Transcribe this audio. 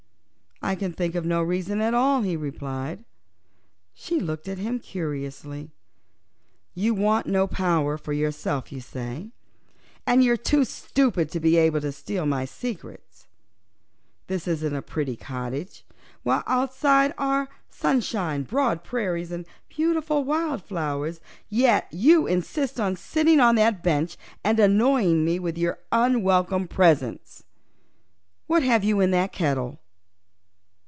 "I can think of no reason at all," he replied. She looked at him curiously. "You want no power for yourself, you say, and you're too stupid to be able to steal my secrets. This isn't a pretty cottage, while outside are sunshine, broad prairies and beautiful wildflowers. Yet you insist on sitting on that bench and annoying me with your unwelcome presence. What have you in that kettle?"